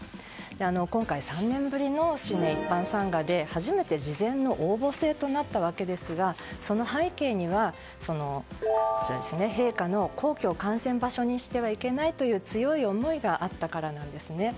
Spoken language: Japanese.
今回、３年ぶりの新年一般参賀で初めて事前の応募制となったわけですがその背景には、陛下の皇居を感染場所にしてはいけないという強い思いがあったからなんですね。